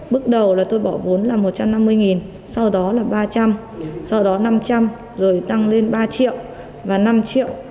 bước đầu là tôi bỏ vốn là một trăm năm mươi sau đó là ba trăm linh sau đó năm trăm linh rồi tăng lên ba triệu và năm triệu